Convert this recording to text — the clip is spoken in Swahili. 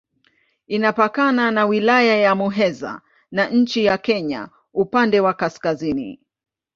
Inapakana na Wilaya ya Muheza na nchi ya Kenya upande wa kaskazini.